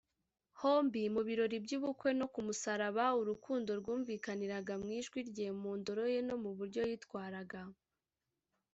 . Hombi mu birori by’ubukwe no ku musaraba, urukundo rwumvikaniraga mw’ijwi rye, mu ndoro ye, no mu buryo yitwaraga,